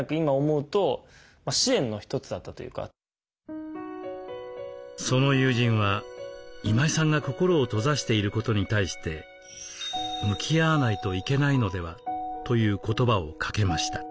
あれはもう間違いなくその友人は今井さんが心を閉ざしていることに対して「向き合わないといけないのでは」という言葉をかけました。